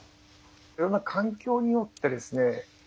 いろんな環境によってですね